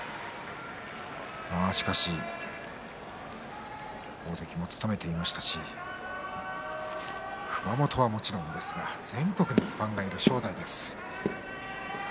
しかし大関も務めていましたし熊本はもちろんですが全国にファンがいる正代です。